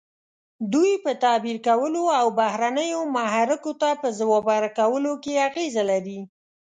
دوی په تعبیر کولو او بهرنیو محرکو ته په ځواب ورکولو کې اغیزه لري.